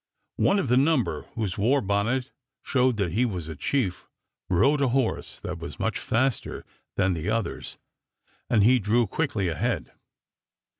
One of the number, whose war bonnet showed that he was a chief, rode a horse that was much faster than the others, and he drew quickly ahead.